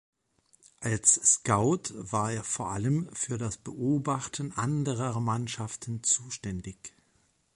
Als Scout war er vor allem für das Beobachten anderer Mannschaften zuständig.